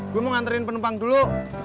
gue mau nganterin penumpang dulu